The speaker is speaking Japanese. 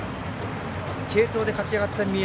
継投で勝ち上がった三重。